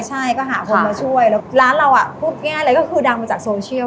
ใช่ก็หาคนมาช่วยแล้วร้านเราปุ๊บแยะเลยคือดำมาจากโซเชียล